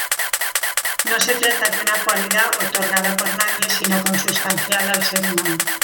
No se trata de una cualidad otorgada por nadie, sino consustancial al ser humano.